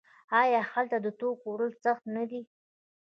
آیا هلته د توکو وړل سخت نه دي؟